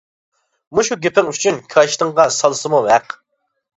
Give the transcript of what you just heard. مۇشۇ گېپىڭ ئۈچۈن كاچىتىڭغا سالسىمۇ ھەق.